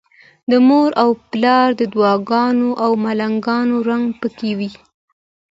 د مور او پلار د دعاګانو او ملنګانو رنګ پکې وي.